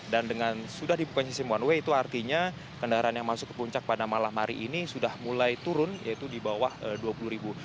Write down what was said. dan dengan sudah dibuka sistem one way itu artinya kendaraan yang masuk ke puncak pada malam hari ini sudah mulai turun yaitu di bawah dua puluh ribu